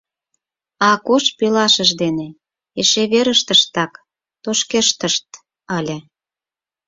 Акош пелашыж дене эше верыштыштак тошкештыт ыле.